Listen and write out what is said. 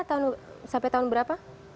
tahun sampai tahun berapa